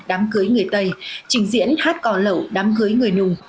đám cưới người tây trình diễn hát cò lẩu đám cưới người nùng